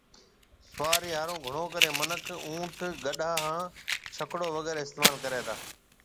سوارِي ھارو گھڻو ڪري مِنک اُنٺ ، ڪڏو ھان ڇڪڙو وغيرھ استعمال ڪرَي تا